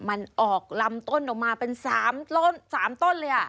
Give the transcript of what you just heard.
มันออกลำต้นออกมาเป็น๓ต้นเลย